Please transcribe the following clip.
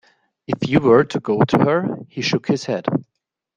"If you were to go to her;" He shook his head.